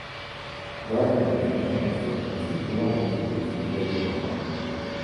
Daarbij moeten wij echter met drie belangrijke punten rekening houden.